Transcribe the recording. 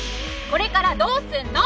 これからどうすんの！